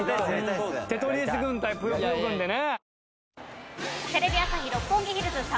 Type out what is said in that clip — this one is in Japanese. テトリス軍対ぷよぷよ軍でね。